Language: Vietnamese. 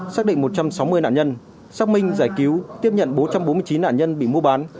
xác định một trăm sáu mươi nạn nhân xác minh giải cứu tiếp nhận bốn trăm bốn mươi chín nạn nhân bị mua bán